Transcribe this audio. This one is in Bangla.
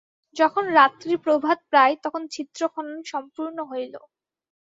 যখন রাত্রি প্রভাতপ্রায়, তখন ছিদ্রখনন সম্পূর্ণ হইল।